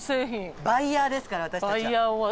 バイヤーですから私たちは。